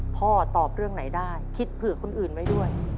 ตอบเรื่องไหนได้คิดเผื่อคนอื่นไว้ด้วย